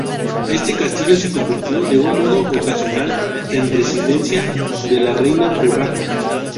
Este castillo se convirtió de un modo ocasional en residencia de la reina Urraca.